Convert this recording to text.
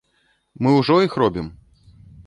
Мы ўжо іх робім.